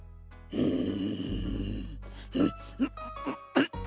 うん。